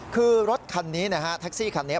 คือรถคันนี้นะฮะแท็กซี่คันนี้